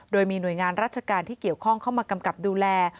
โดยมีหน่วยงานราชการที่เกี่ยวข้องเข้ามากำกับดูแล